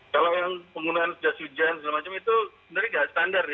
kalau yang penggunaan jas hujan dan semacamnya itu sebenarnya nggak standar ya